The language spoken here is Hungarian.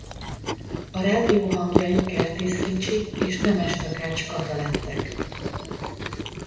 A rádió hangjai Kertész Ricsi és Nemes-Takách Kata lettek.